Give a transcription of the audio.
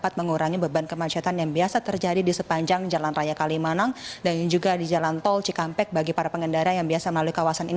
terima kasih banyak bapak ayuda untuk beri informasi